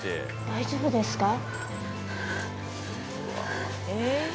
大丈夫ですか？